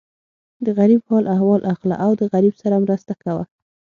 د غریب حال احوال اخله او د غریب سره مرسته کوه.